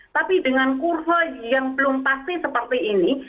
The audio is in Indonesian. tapi dengan kurva yang belum pasti seperti ini